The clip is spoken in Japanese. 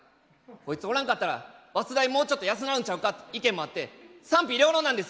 こいつおらんかったらバス代もうちょっと安なるんちゃうかって意見もあって賛否両論なんですよ。